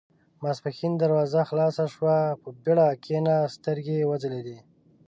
ماسپښين دروازه خلاصه شوه، په بېړه کېناست، سترګې يې وځلېدې.